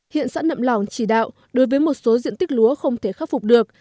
hiện sẵn nậm lỏng chỉ đạo đối với một số diện tích lúa không thể khắc phục được